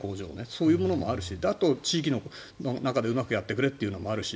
そういうものもあるしあとは地域の中でうまくやってくれというのもあるし。